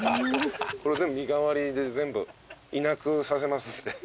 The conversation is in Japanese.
これ身代わりで全部いなくさせますんで。